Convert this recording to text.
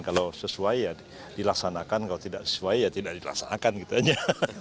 kalau sesuai ya dilaksanakan kalau tidak sesuai ya tidak dilaksanakan gitu aja